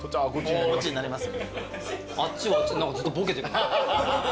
あっちずっとボケてる。